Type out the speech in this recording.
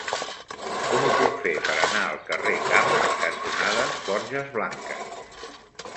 Com ho puc fer per anar al carrer Camp cantonada Borges Blanques?